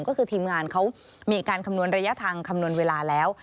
ก็คือทีมงานเขามีการคำนวณระยะทางคำนวณเวลาแล้ว